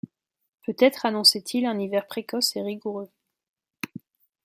Peut-être annonçait-il un hiver précoce et rigoureux